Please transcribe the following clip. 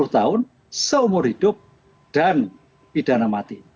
dua puluh tahun seumur hidup dan pidana mati